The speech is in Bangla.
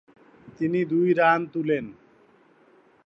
তিনি দুই রান তুলেন।